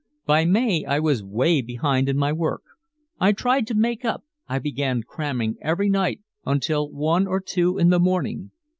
By May I was way behind in my work. I tried to make up, I began cramming every night until one or two in the morning.